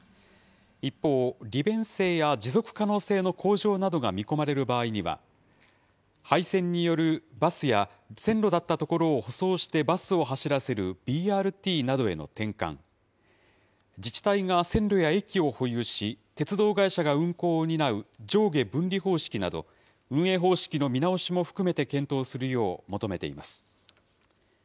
一方、利便性や持続可能性の向上などが見込まれる場合には、廃線によるバスや、線路だった所を舗装してバスを走らせるＢＲＴなどへの転換、自治体が線路や駅を保有し、鉄道会社が運行を担う上下分離方式など、運営方式の見直しも含めて検討するよう求めています。